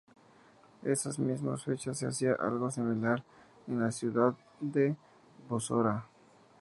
En esas mismas fechas se hacía algo similar en la ciudad de Basora.